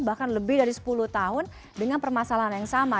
bahkan lebih dari sepuluh tahun dengan permasalahan yang sama